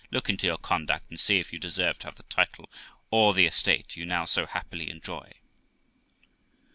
Look into your conduct, and see if you deserve to have the title or the estate you now so happily enjoy.'